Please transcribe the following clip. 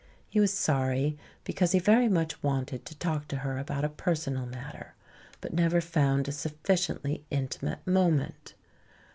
He was sorry, because he very much wanted to talk to her about a personal matter, but never found a sufficiently intimate moment.